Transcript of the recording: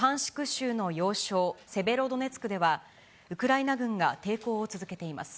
州の要衝セベロドネツクでは、ウクライナ軍が抵抗を続けています。